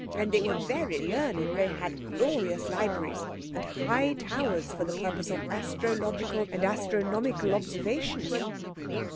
And they were very learned—they had glorious libraries and high towers for the purpose of astrological and astronomical observation."